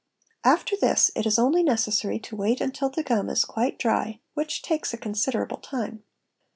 After this, it is only necessary to wait until the gum is quite dry, which takes a considerable time.